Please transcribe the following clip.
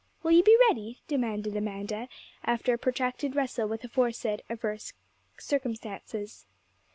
Will you be ready?' demanded Amanda, after a protracted wrestle with aforesaid adverse circumstances.